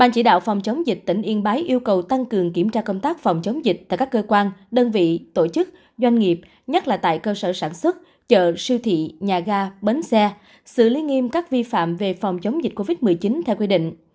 chỉ đạo phòng chống dịch tỉnh yên bái yêu cầu tăng cường kiểm tra công tác phòng chống dịch tại các cơ quan đơn vị tổ chức doanh nghiệp nhất là tại cơ sở sản xuất chợ siêu thị nhà ga bến xe xử lý nghiêm các vi phạm về phòng chống dịch covid một mươi chín theo quy định